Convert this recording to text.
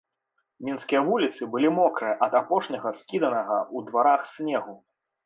Мінскія вуліцы былі мокрыя ад апошняга скіданага ў дварах снегу.